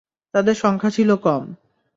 তাদের সংখ্যা ছিল কম।